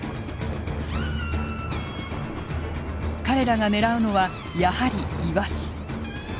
彼らが狙うのはやはりイワシ。